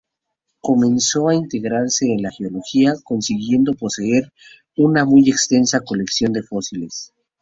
Comenzó a interesarse en la geología, consiguiendo poseer una muy extensa colección de fósiles.